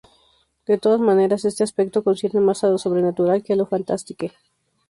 De todas maneras, este aspecto concierne más a lo sobrenatural que a lo "fantastique".